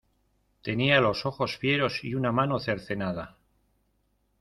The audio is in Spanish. tenía los ojos fieros y una mano cercenada.